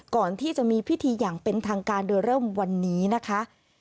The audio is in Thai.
ก่อนที่จะมีพิธีอย่างเป็นทางการโดยเริ่มวันนี้นะคะ